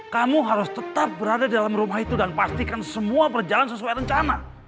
kamu harus tetap berada dalam rumah itu dan pastikan semua berjalan sesuai rencana